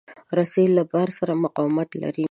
رسۍ له بار سره مقاومت لري.